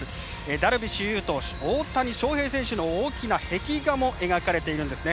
ダルビッシュ有投手大谷翔平選手の大きな壁画も描かれているんですね。